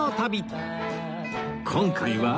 今回は